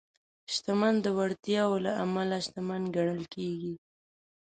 شتمن د وړتیاوو له امله شتمن ګڼل کېږي.